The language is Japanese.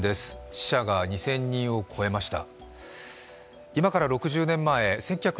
死者が２０００人を超えました。